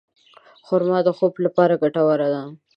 خرما د خوب لپاره ګټوره ده.